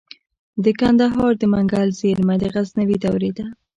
د کندهار د منگل زیرمه د غزنوي دورې ده